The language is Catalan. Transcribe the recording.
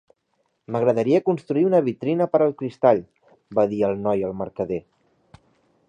"M'agradaria construir una vitrina per al cristall", va dir el noi al mercader.